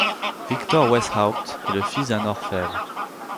Viktor Weisshaupt est le fils d'un orfèvre.